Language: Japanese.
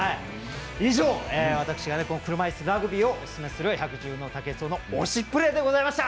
以上、私が車いすラグビーをお勧めする百獣の王・武井壮の「推しプレ！」でございました。